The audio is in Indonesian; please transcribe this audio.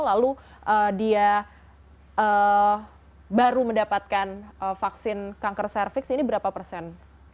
lalu dia baru mendapatkan vaksin kanker cervix ini berapa persen